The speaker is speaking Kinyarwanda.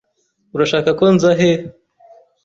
Urashaka ko nzahe?